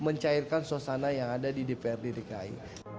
komunikasi dan juga mencairkan suasana yang ada di dprd dki